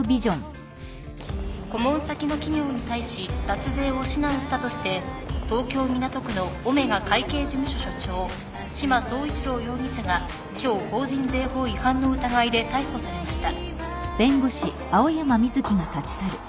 顧問先の企業に対し脱税を指南したとして東京港区のオメガ会計事務所所長志摩総一郎容疑者が今日法人税法違反の疑いで逮捕されました。